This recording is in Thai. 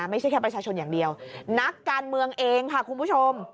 ไม่ใช่แค่ประชาชนอย่างเดียวนักการเมืองเองค่ะคุณผู้ชม